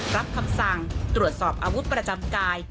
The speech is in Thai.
รับคำสั่งตรวจสอบอาวุธประจำกาย